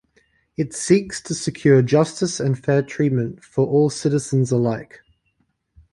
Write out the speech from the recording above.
It seeks to secure justice and fair treatment for all citizens alike.